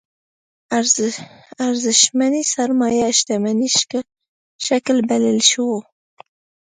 ارزشمنې سرمايې شتمنۍ شکل بللی شو.